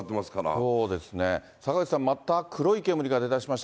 そうですね、坂口さん、また黒い煙が出だしました。